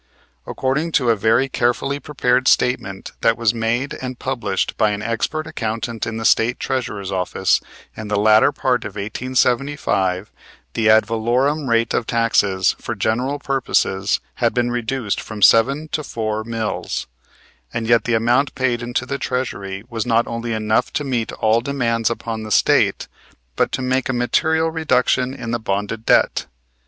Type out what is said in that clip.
According to a very carefully prepared statement that was made and published by an expert accountant in the State Treasurer's office in the latter part of 1875 the ad valorem rate of taxes for general purposes had been reduced from seven to four mills, and yet the amount paid into the Treasury was not only enough to meet all demands upon the State, but to make a material reduction in the bonded debt.